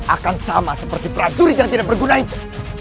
akan sama seperti prajurit yang tidak berguna itu